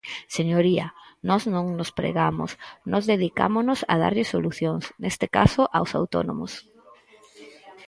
Señoría, nós non nos pregamos, nós dedicámonos a darlles solucións, neste caso aos autónomos.